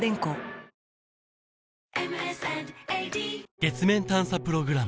月面探査プログラム